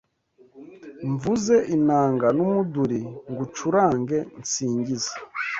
Mvuze inanga n’umuduri Ngucurange nsingize